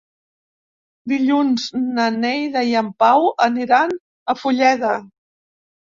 Dilluns na Neida i en Pau aniran a Fulleda.